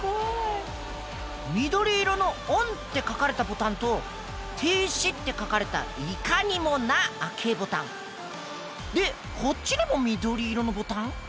緑色のＯＮって書かれたボタンと停止って書かれた「いかにも」な赤えボタンでこっちにも緑色のボタン？